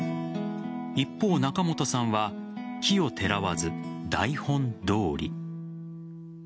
一方、仲本さんは奇をてらわず台本どおり。